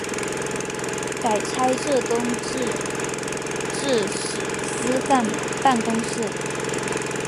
改差浙东制置使司干办公事。